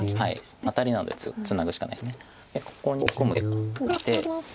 アタリなのでツナぐしかないです。